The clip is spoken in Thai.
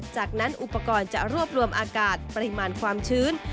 จากนั้นอุปกรณ์จะรวบรวมอากาศปริมาณความชื้น